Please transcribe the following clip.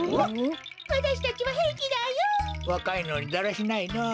わかいのにだらしないのう。